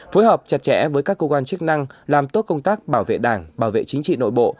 phối hợp chặt chẽ với các cơ quan chức năng làm tốt công tác bảo vệ đảng bảo vệ chính trị nội bộ